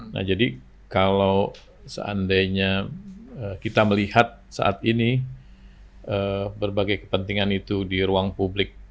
nah jadi kalau seandainya kita melihat saat ini berbagai kepentingan itu di ruang publik